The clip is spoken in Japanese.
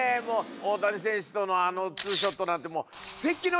大谷選手とのあのツーショットなんて。